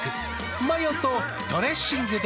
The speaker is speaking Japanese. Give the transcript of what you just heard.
マヨとドレッシングで。